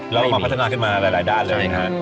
เรามาพัฒนาขึ้นมาหลายด้านเลยนะครับ